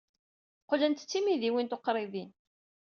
Qqlent d timidiwin tuqribin.